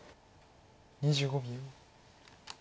２５秒。